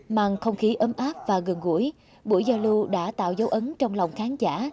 mang không khí ấm áp và gần gũi buổi giao lưu đã tạo dấu ấn trong lòng khán giả